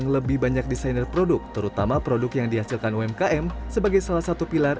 lebih banyak desainer produk terutama produk yang dihasilkan umkm sebagai salah satu pilar